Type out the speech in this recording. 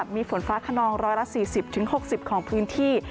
มีฝนฟ้าขนอง๑๔๐๖๐ของพื้นที่